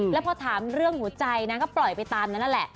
แล้วพอถามเรื่องหัวใจนางก็ปล่อยไปตามนั้นนั่นแหละ